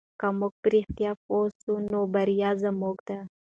که موږ په رښتیا پوه سو نو بریا زموږ ده.